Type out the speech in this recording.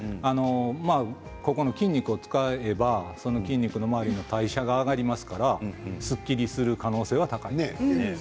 筋肉を使えばその筋肉の周りの代謝が上がりますからすっきりする可能性は高くなると思います。